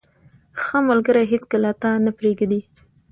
• ښه ملګری هیڅکله تا نه پرېږدي.